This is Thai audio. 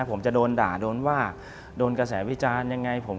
ผมจะโดนด่าโดนว่าโดนกระแสวิทยาล